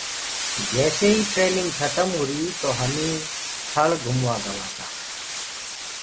جيسي هيِ ٽرينگ کتم هُري تو همي ٿݪ گھموآ گوآتا۔